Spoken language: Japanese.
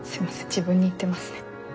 自分に言ってますね。